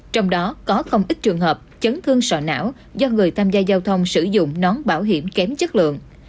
trong đó có không ít trường hợp chấn thương sọ não do người tham gia giao thông sử dụng nón bảo hiểm kém chất lượng